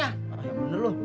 ya benar ibu